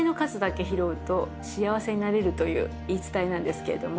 という言い伝えなんですけれども。